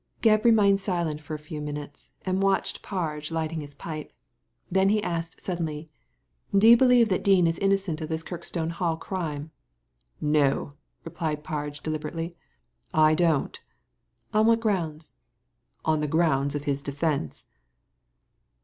Gebb remained silent for a few minutes^ and watched Parge lighting his pipe. Then he asked suddenly, * Do you believe that Dean is innocent of this Kirkstone Hall crime?'* "No !" replied Parge, deUberately, "I donV " On what grounds ?"" On the grounds of his defence.'